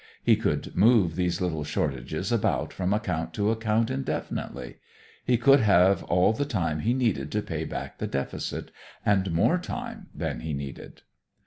He could move these little shortages about from account to account indefinitely. He could have all the time he needed to pay back the deficit, and more time than he needed.